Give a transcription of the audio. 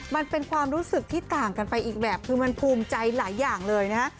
มันเป็นความรู้สึกที่ต่างกันไปอีกแบบคือมันภูมิใจหลายอย่างเลยนะฮะ